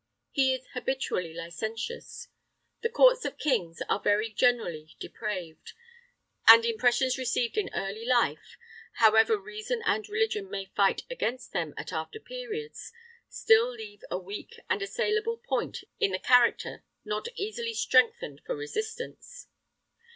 He is habitually licentious. The courts of kings are very generally depraved; and impressions received in early life, however reason and religion may fight against them at after periods, still leave a weak and assailable point in the character not easily strengthened for resistance.